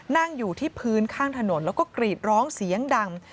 นั่งอยู่ที่พื้นข้างถนนแล้วก็กรีดร้องเสียงดัง